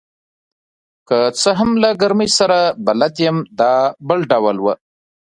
که څه هم له ګرمۍ سره بلد یم، دا بل ډول وه.